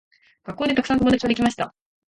学校でたくさん友達ができました。